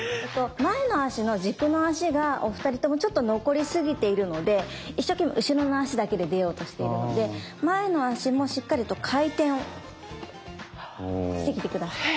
前の足の軸の足がお二人ともちょっと残りすぎているので一生懸命後ろの足だけで出ようとしているので前の足もしっかりと回転してきて下さい。